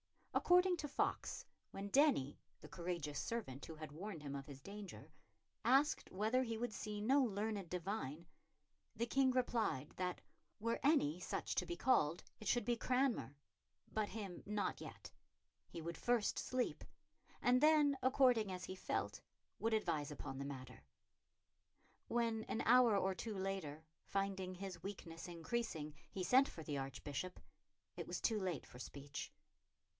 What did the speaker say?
According to Foxe, when Denny, the courageous servant who had warned him of his danger, asked whether he would see no learned divine, the King replied that, were any such to be called, it should be Cranmer, but him not yet. He would first sleep, and then, according as he felt, would advise upon the matter. When, an hour or two later, finding his weakness increasing, he sent for the Archbishop, it was too late for speech.